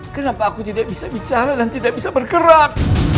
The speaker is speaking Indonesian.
kenapa aku tidak bisa bicara dan tidak bisa bergerak